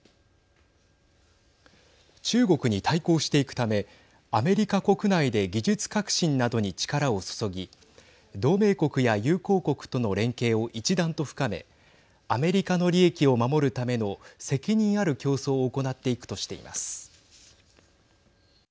中国に対抗していくためアメリカ国内で技術革新などに力を注ぎ同盟国や友好国との連携を一段と深めアメリカの利益を守るための責任ある競争を行っていくとしています。